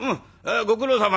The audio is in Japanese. ご苦労さま。